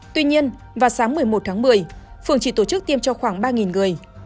tuy nhiên vào sáng một mươi một tháng một mươi phường chỉ tổ chức tiêm cho khoảng ba người